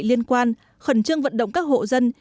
liên quan khẩn trương vận động các hộ dân